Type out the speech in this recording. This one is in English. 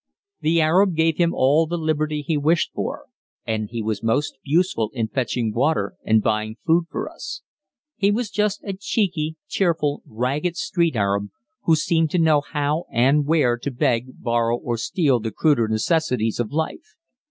The Arab gave him all the liberty he wished for, and he was most useful in fetching water and buying food for us. He was just a cheeky, cheerful, ragged street arab, who seemed to know how and where to beg, borrow, or steal the cruder necessities of life.